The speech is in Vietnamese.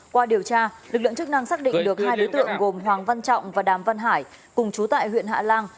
qua điều tra lực lượng chức năng xác định được hai đối tượng gồm hoàng văn trọng và đàm văn hải cùng chú tại huyện hạ lan